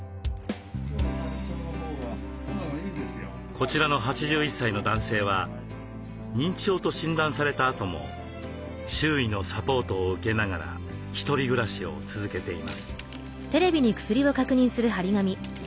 こちらの８１歳の男性は認知症と診断されたあとも周囲のサポートを受けながら一人暮らしを続けています。